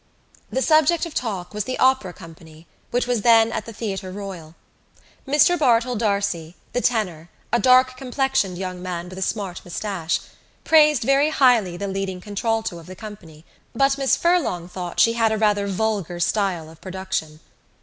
The subject of talk was the opera company which was then at the Theatre Royal. Mr Bartell D'Arcy, the tenor, a dark complexioned young man with a smart moustache, praised very highly the leading contralto of the company but Miss Furlong thought she had a rather vulgar style of production.